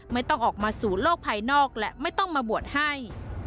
ไม่ต้องออกมาสู่โลกภายนอกและไม่ต้องมาบวชให้